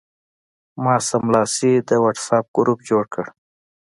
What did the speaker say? ما سملاسي د وټساپ ګروپ جوړ کړ.